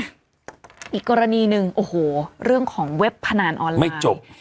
อีกกรณีหนึ่งโอ้โหเรื่องของเว็บพนันออนไลน์ไม่จบ